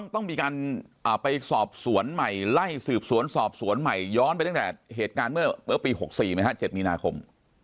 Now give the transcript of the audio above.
ต้องมีการไปสอบสวนใหม่ไล่สืบสวนสอบสวนใหม่ย้อนไปตั้งแต่เหตุการณ์เมื่อปี๖๔ไหมฮะ๗มีนาคม